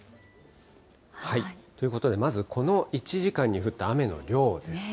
ということで、まずこの１時間に降った雨の量ですね。